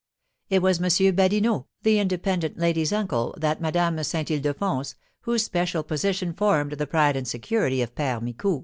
It was M. Badinot, the independent lady's uncle, that Madame Saint Ildefonse, whose social position formed the pride and security of Père Micou.